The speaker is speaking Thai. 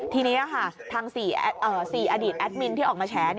ทีนี้ค่ะทาง๔อดีตแอดมินที่ออกมาแฉ